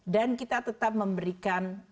dan kita tetap memberikan